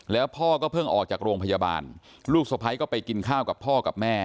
แล้วพ่อก็เพิ่งออกจากโรงพยาบาลลูกสะพ้ายก็ไปกินข้าวกับพ่อกับแม่